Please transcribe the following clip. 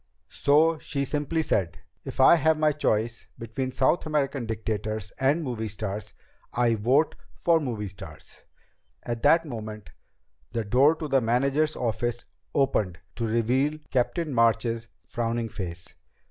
So she simply said, "If I have my choice between South American dictators and movie stars, I vote for movie stars." At that moment the door to the manager's office opened to reveal Captain March's frowning face.